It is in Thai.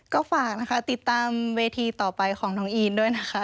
ก็ฝากนะคะติดตามเวทีต่อไปของน้องอีนด้วยนะคะ